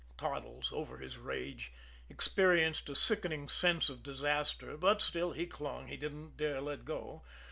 Toddles, over his rage, experienced a sickening sense of disaster, but still he clung; he didn't dare let go.